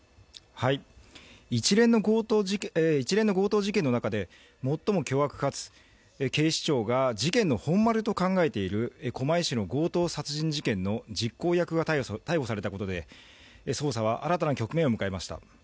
一連の強盗事件の中で最も凶悪かつ警視庁が事件の本丸と考えている狛江市の強盗殺人事件の実行役が逮捕されたことで、捜査は新たな局面を迎えました。